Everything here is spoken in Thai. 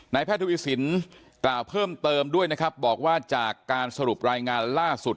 แพทย์ทวีสินกล่าวเพิ่มเติมด้วยนะครับบอกว่าจากการสรุปรายงานล่าสุด